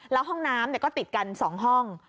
แล้วห้องน้ำก็ติดกัน๒ห้อง